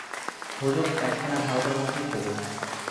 হুজুগ এক্ষণে ভারতের মধ্যেই চলুক।